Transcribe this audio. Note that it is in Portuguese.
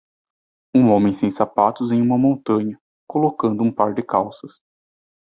Um homem sem sapatos em uma montanha, colocando um par de calças.